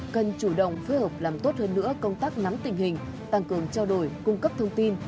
cần chủ động phối hợp làm tốt hơn nữa công tác nắm tình hình tăng cường trao đổi cung cấp thông tin